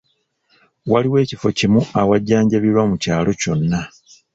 Waliwo ekifo kimu awajjanjabirwa mu kyalo kyonna.